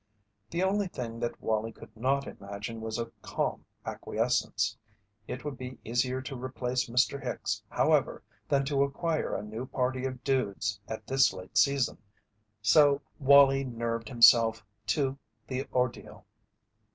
The only thing that Wallie could not imagine was a calm acquiescence. It would be easier to replace Mr. Hicks, however, than to acquire a new party of dudes at this late season, so Wallie nerved himself to the ordeal.